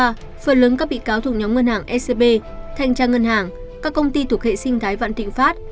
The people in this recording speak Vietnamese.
phần lớn các bị cáo thuộc nhóm ngân hàng scb thanh tra ngân hàng các công ty thuộc hệ sinh thái vạn tịnh pháp